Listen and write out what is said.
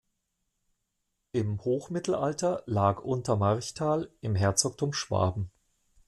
Im Hochmittelalter lag Untermarchtal im Herzogtum Schwaben.